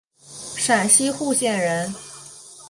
陕西户县人。